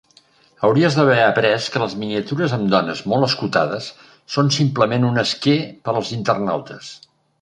Hauries d'haver après que les miniatures amb dones molt escotades són simplement un esquer per als internautes.